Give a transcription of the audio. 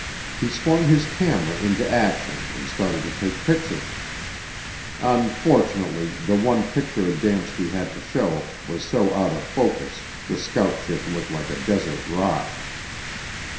He swung his camera into action and started to take pictures. Unfortunately, the one picture Adamski had to show was so out of focus the scout ship looked like a desert rock.